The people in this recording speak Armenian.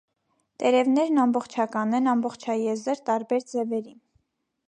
Տերևներն ամբողջական են, ամբողջաեզր, տարբեր ձևերի։